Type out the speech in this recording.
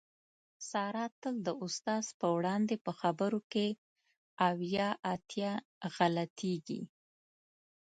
ساره تل د استاد په وړاندې په خبرو کې اویا اتیا غلطېږي.